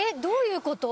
どういう事？